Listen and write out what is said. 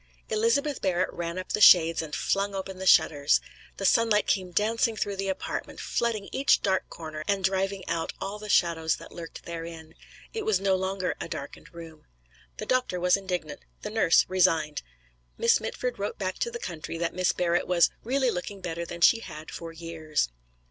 Elizabeth Barrett ran up the shades and flung open the shutters. The sunlight came dancing through the apartment, flooding each dark corner and driving out all the shadows that lurked therein. It was no longer a darkened room. The doctor was indignant; the nurse resigned. Miss Mitford wrote back to the country that Miss Barrett was "really looking better than she had for years."